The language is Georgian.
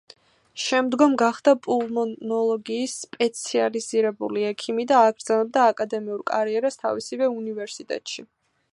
შემდგომ გახდა პულმონოლოგიის სპეციალიზირებული ექიმი და აგრძელებდა აკადემიურ კარიერას თავისივე უნივერსიტეტში.